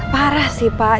parah sih pak